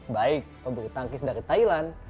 baik pemburu tangkis dari thailand